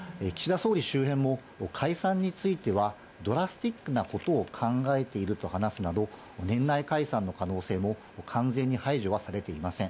総理周辺も、解散については、ドラスティックなことを考えていると話すなど、年内解散の可能性も完全に排除はされていません。